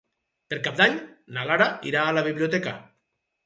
Per Cap d'Any na Lara irà a la biblioteca.